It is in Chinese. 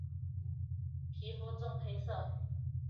皮肤棕黑色。